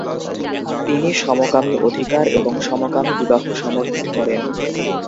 তিনি সমকামী অধিকার এবং সমকামী বিবাহ সমর্থন করেন।